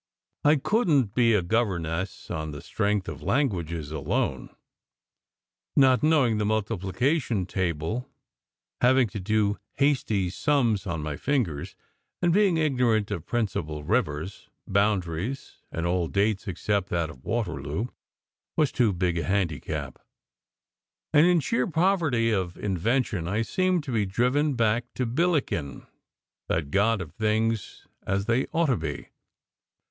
I SECRET HISTORY 205 couldn t be a governess on the strength of languages alone. Not knowing the multiplication table, having to do hasty sums on my fingers, and being ignorant of principal rivers, boundaries, and all dates except that of Waterloo, was too big a handicap; and in sheer poverty of invention I seemed to be driven back to Billiken, that god of "things as they ought to be."